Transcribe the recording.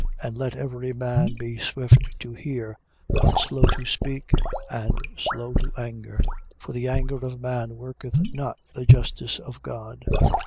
And let every man be swift to hear, but slow to speak and slow to anger. 1:20. For the anger of man worketh not the justice of God.